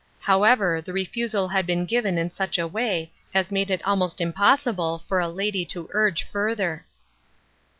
However, the re fusal had been given in such a way as made it almost impossible for a lady to urge further.